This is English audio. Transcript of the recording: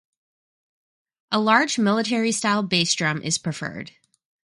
A large military-style bass drum is preferred.